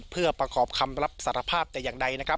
เพื่อประกอบคำลับสารภาพแต่อย่างใด